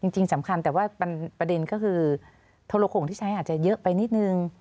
จริงสำคัญแต่ว่าประเด็นก็คือโทรโขงที่ใช้อาจจะเยอะไปนิดนึง